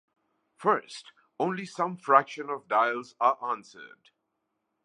First, only some fraction of dials are answered.